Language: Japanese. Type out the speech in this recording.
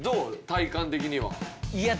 体感的には。